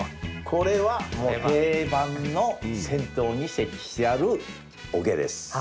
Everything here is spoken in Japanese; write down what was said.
これは定番の銭湯に設置してある、おけです。